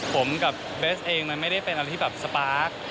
ผมกับเบสเองมันไม่ได้เป็นอะไรที่แบบสปาร์ค